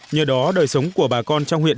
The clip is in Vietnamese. nhờ đó đời sống của bà con trong huyện